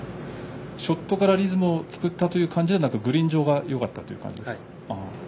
ショットからリズムを作った感じではなくグリーン上がよかった感じですか。